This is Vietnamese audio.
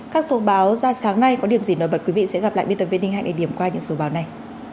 các số báo ra sáng nay có điểm gì nói bật quý vị sẽ gặp lại biên tập viên ninh hạnh để điểm qua những số báo này